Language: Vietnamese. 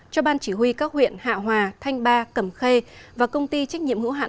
cho ban chỉ huy các huyện hạ hòa thanh ba cầm khê và công ty trách nhiệm hữu hạn